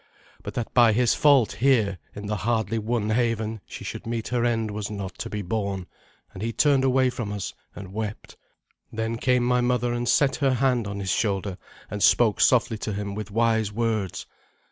But that by his fault here in the hardly won haven she should meet her end was not to be borne, and he turned away from us and wept. Then came my mother and set her hand on his shoulder and spoke softly to him with wise words.